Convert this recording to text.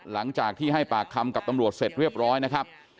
หลังจากที่ให้ปากคำกับตำรวจเสร็จเรียบร้อยนะครับ